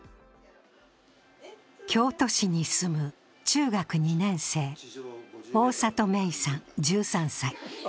京都市に住む中学２年生、大里芽生さん１３歳。